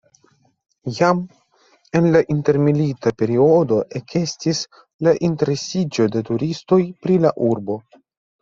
Jam en la intermilita periodo ekestis la interesiĝo de turistoj pri la urbo.